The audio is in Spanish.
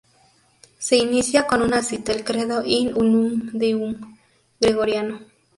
Se inicia con una cita del "Credo in unum Deum" gregoriano.